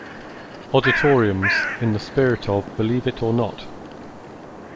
Odditoriums, in the spirit of Believe It or Not!